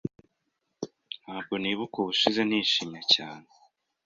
Ntabwo nibuka ubushize nishimye cyane.